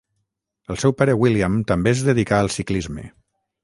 El seu pare William també es dedicà al ciclisme.